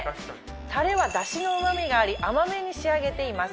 たれはダシのうま味があり甘めに仕上げています。